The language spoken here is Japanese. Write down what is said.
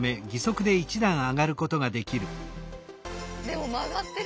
でも曲がってる。